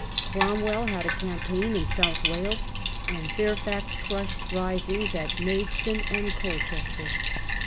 Cromwell had ^"^^• a campaign in South Wales, and Fairfax crushed risings at Maidstone and Colchester.